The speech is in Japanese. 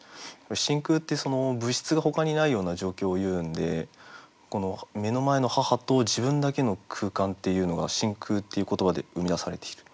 「真空」って物質がほかにないような状況をいうんでこの目の前の母と自分だけの空間っていうのが「真空」っていう言葉で生み出されている。